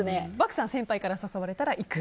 漠さん、先輩から誘われたら行く？